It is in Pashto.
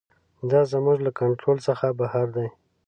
دا زموږ له کنټرول څخه بهر دی.